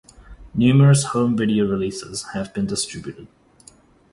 Numerous home video releases have been distributed.